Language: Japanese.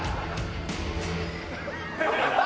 ハハハハ！